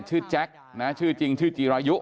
ชื่อแจ๊คชื่อจริงชื่อจิรายุ